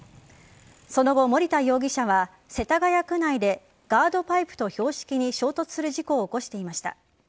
その後守田容疑者は世田谷区内でガードパイプと標識に衝突する事故を起こしていました。